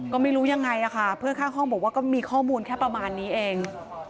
ก็ไม่รู้ยังไงค่ะเพื่อนข้างห้องบอกว่าก็มีข้อมูลแค่ประมาณนี้เอง